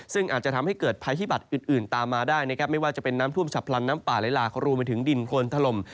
ซึ่งอาจจะทำให้เกิดภัยพิบัตรอื่นตามมาได้นะครับไม่ว่าจะเป็นน้ำท่วมฉับพลันน้ำป่าไหลหลากรวมไปถึงดินคนถล่ม